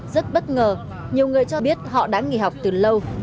rất bất ngờ nhiều người cho biết họ đã nghỉ học từ lâu